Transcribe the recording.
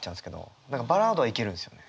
何かバラードはいけるんですよね。